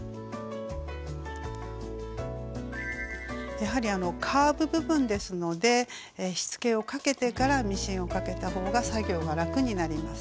やはりカーブ部分ですのでしつけをかけてからミシンをかけた方が作業が楽になります。